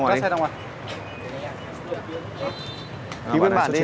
bà mời bạn xe